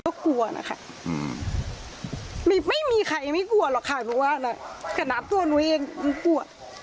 ก็กลัวนะค่ะไม่มีใครไม่กลัวหรอกค่ะแค่นับตัวหนูเองก็กลัว